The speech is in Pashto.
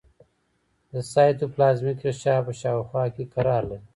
د سایتوپلازمیک غشا په شاوخوا کې قرار لري.